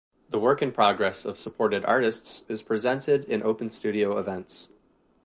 The work in progress of supported artists is presented in open studio events.